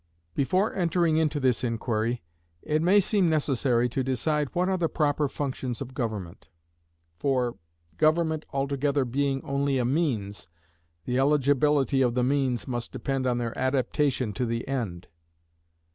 Before entering into this inquiry, it may seem necessary to decide what are the proper functions of government; for, government altogether being only a means, the eligibility of the means must depend on their adaptation to the end.